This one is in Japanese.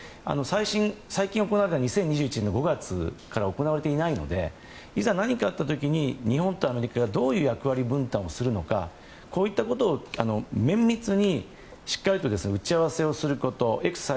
最近行われた２０２１年の５月から行われていないので何かあった時に日本とアメリカがどういう役割分担をするのかを綿密にしっかりと打ち合わせをすること。